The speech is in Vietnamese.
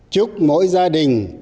chúc mỗi gia đình